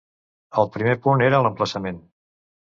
El primer punt era l’emplaçament.